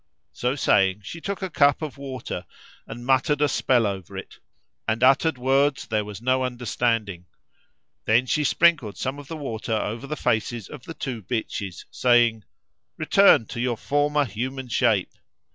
So saying she took a cup of water and muttered a spell over it and uttered words there was no understanding; then she sprinkled some of the water over the faces of the two bitches, saying, "Return to your former human shape!"